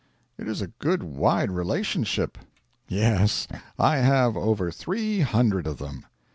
'It is a good wide relationship.' 'Yes. I have over three hundred of them.'